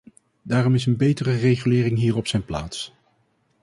Daarom is een betere regulering hier op zijn plaats.